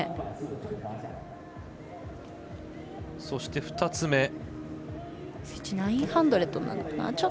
そして、２つ目。